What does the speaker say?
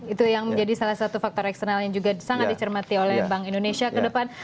itu yang menjadi salah satu faktor eksternal yang juga sangat dicermati oleh bank indonesia ke depan